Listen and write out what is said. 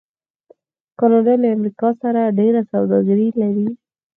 کاناډا له امریکا سره ډیره سوداګري لري.